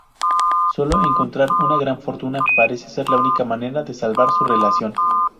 Sólo encontrar una gran fortuna parece ser la única manera de salvar su relación.